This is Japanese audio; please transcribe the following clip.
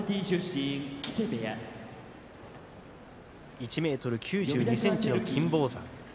１ｍ９２ｃｍの金峰山。